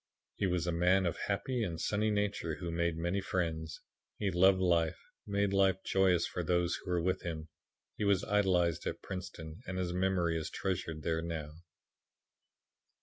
He was a man of happy and sunny nature who made many friends. He loved life and made life joyous for those who were with him. He was idolized at Princeton and his memory is treasured there now.